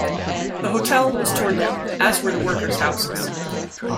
The hotel was torn down, as were the workers' houses.